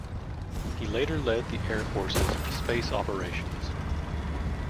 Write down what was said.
He later led the Air Force's space operations.